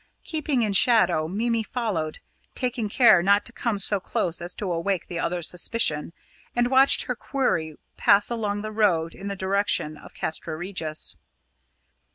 Keeping in shadow, Mimi followed, taking care not to come so close as to awake the other's suspicion, and watched her quarry pass along the road in the direction of Castra Regis.